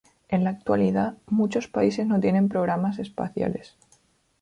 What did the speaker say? En la actualidad, muchos países no tienen programas espaciales.